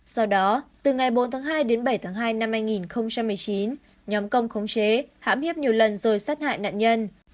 sau đó từ ngày bốn tháng hai đến bảy tháng hai năm hai nghìn một mươi chín nhóm công khống chế hãm hiếp nhiều lần rồi sát hại nạn nhân